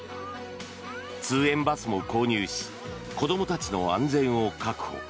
通園バスも購入し子どもたちの安全を確保。